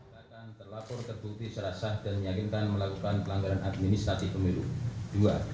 pemerintah akan terlapor terbukti secara sah dan meyakinkan melakukan pelanggaran administratif pemilu